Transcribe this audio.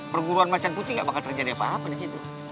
perguruan macan putih nggak bakal terjadi apa apa di situ